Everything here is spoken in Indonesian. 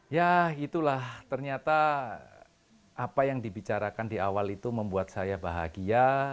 ya itulah ternyata apa yang dibicarakan di awal itu membuat saya bahagia